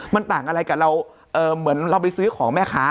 มันต่างอะไรกับเราเหมือนเราไปซื้อของแม่ค้า